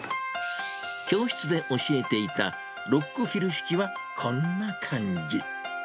教室で教えていたロックフィル式は、こんな感じ。